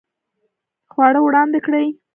خواړه وړاندې کړئ